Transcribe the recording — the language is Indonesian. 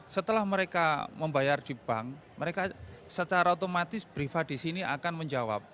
setelah mereka membayar di bank mereka secara otomatis briva di sini akan menjawab